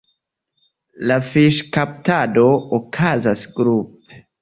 La fiŝkaptado okazas grupe.